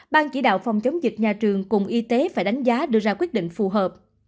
ban chỉ đạo phòng chống dịch nhà trường cùng y tế phải đánh giá đưa ra quyết định phù hợp